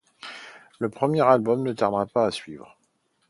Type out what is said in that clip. Un premier album ne tarde pas à suivre.